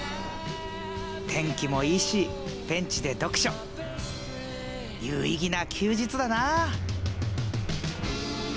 天気もいいしベンチで読書有意義な休日だな！